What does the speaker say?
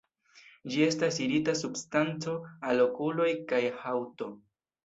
Ĝi estas irita substanco al okuloj kaj haŭto.